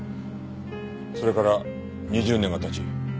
それから２０年が経ち